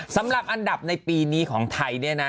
สำหรับอันดับในปีนี้ของไทยเนี่ยนะ